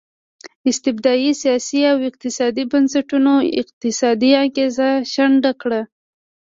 استبدادي سیاسي او اقتصادي بنسټونو اقتصادي انګېزه شنډه کړه.